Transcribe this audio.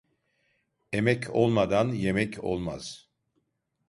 Emek olmadan yemek olmaz.